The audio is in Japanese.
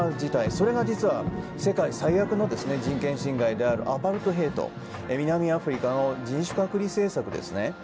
それが実は世界最悪の人権侵害であるアパルトヘイト南アフリカの人種隔離政策ですね。